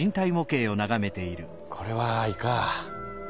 これは胃か。